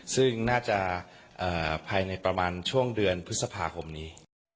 ซึ่งน่าจะภายในประมาณช่วงเดือนพฤษภาคมนี้